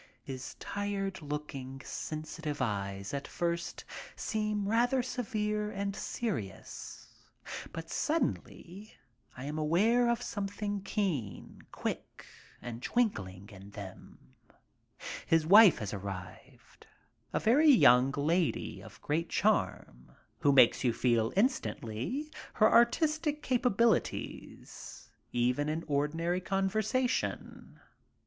His tired looking, sensitive eyes at first seem rather severe and serious, but suddenly I am aware of something keen, quick and twinkling in them. His wife has arrived. A very young lady of great charm, who makes you feel in stantly her artistic capabilities even in ordinary conver sation.